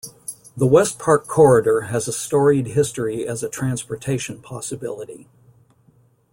The Westpark corridor has a storied history as a transportation possibility.